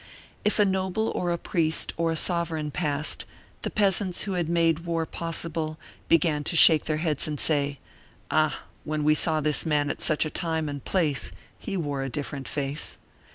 If a noble or a priest or a sovereign passed, the peasants who had made war possible began to shake their heads and say: "Ah! when we saw this man at such a time and place he wore a different face."